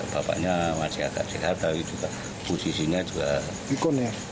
bapaknya masih agak sehat posisinya juga ikon ya